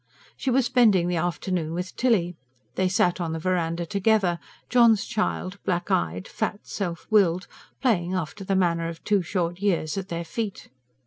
She was spending the afternoon with Tilly. They sat on the verandah together, John's child, black eyed, fat, self willed, playing, after the manner of two short years, at their feet.